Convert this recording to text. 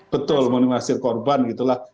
betul monimasi korban gitu lah